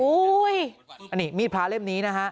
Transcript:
อันนี้มีดพระเล่มนี้นะฮะ